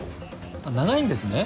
あっ長いんですね。